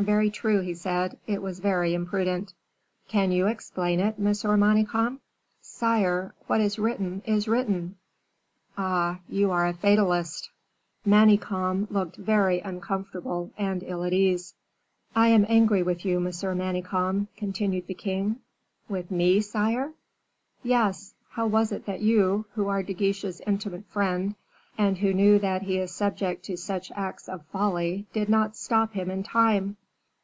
"Very true," he said, "it was very imprudent." "Can you explain it, Monsieur Manicamp?" "Sire, what is written is written!" "Ah! you are a fatalist." Manicamp looked very uncomfortable and ill at ease. "I am angry with you, Monsieur Manicamp," continued the king. "With me, sire?" "Yes. How was it that you, who are De Guiche's intimate friend, and who know that he is subject to such acts of folly, did not stop him in time?"